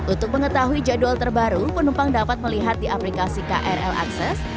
untuk mengetahui jadwal terbaru penumpang dapat melihat di aplikasi krl akses